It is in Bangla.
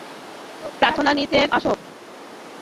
প্রার্থনা নিচে আসো।